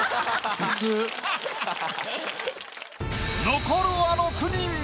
残るは６人。